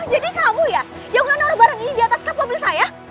jadi kamu ya yang menaruh barang ini di atas kapal mobil saya